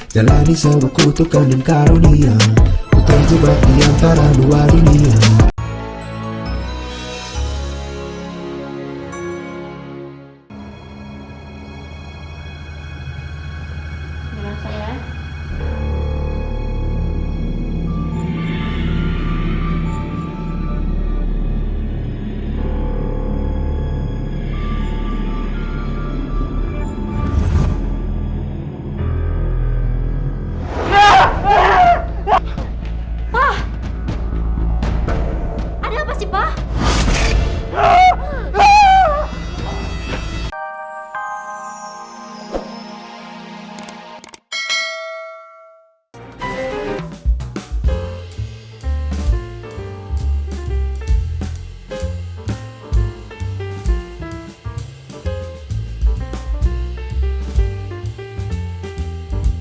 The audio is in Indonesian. jalani sewaku tukang dan karunia ku terjebak di antara dua dunia